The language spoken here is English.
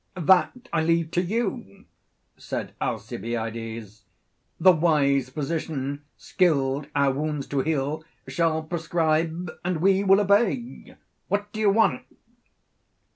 That I leave to you, said Alcibiades. 'The wise physician skilled our wounds to heal (from Pope's Homer, Il.)' shall prescribe and we will obey. What do you want?